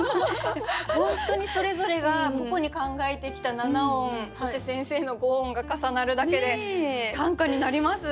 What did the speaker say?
本当にそれぞれが個々に考えてきた七音そして先生の五音が重なるだけで短歌になります。